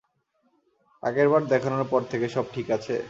আগেরবার দেখানোর পর থেকে সব ঠিক আছে?